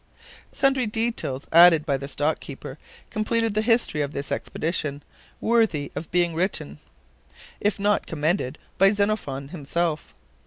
Sundry details, added by the stock keeper, completed the history of this expedition, worthy of being written, if not commended by Xenophon himself.